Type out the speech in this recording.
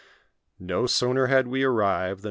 "No sooner had we arrived that M.